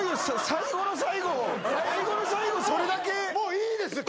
最後の最後最後の最後それだけもういいですね